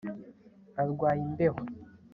Arwaye imbeho